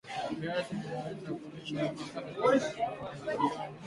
Viazi vinaweza kuliwa wakati wa jioni